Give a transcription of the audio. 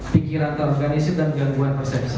pikiran terorganisir dan gangguan persepsi